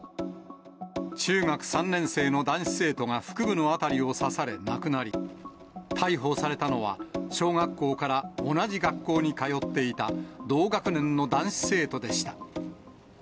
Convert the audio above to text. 中学３年生の男子生徒が腹部の辺りを刺され亡くなり、逮捕されたのは、小学校から同じ学校に通っていた同学年の男子生徒でした。